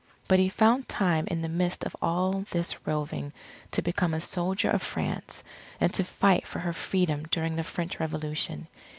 But he found time in the midst of all this roving to become a soldier of France, and to fight for her Freedom during the French Revolution.